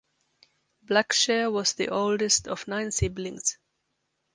Blackshear was the oldest of nine siblings.